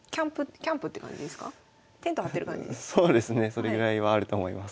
それぐらいはあると思います。